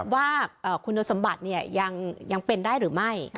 ว่าคุณสมบัติยังเป็นได้หรือไม่